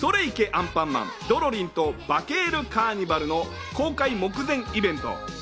アンパンマンドロリンとバケるカーニバル』の公開目前イベント。